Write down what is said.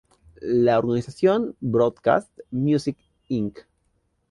La organización Broadcast Music, Inc.